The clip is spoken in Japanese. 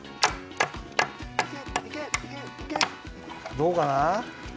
どうかな？